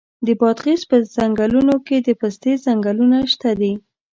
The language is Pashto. د بادغیس په څنګلونو کې د پستې ځنګلونه شته دي.